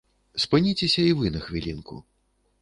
Спыніцеся і вы на хвілінку.